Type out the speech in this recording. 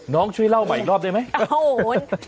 น้องช่วยเล่าใหม่อีกรอบได้ไหมโอ้โห